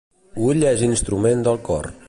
Ull és instrument del cor.